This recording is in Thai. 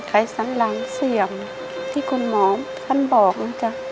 ไขสันหลังเสื่อมที่คุณหมอท่านบอกนะจ๊ะ